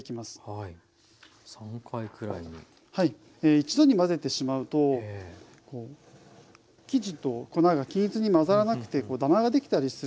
一度に混ぜてしまうと生地と粉が均一に混ざらなくてダマができたりするんですよね。